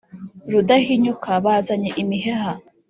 rudahinyuka bazanye imiheha